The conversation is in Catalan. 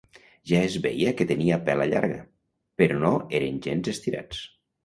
Ja es veia que tenien pela llarga, però no eren gens estirats.